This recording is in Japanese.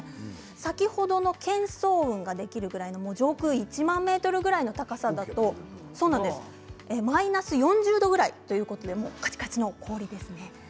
先ほどの巻層雲ができるくらいの上空１万ｍくらいの高さだとマイナス４０度くらいということでかちかちの氷ですね。